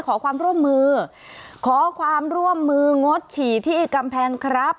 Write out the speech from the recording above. ขอความร่วมมือขอความร่วมมืองดฉี่ที่กำแพงครับ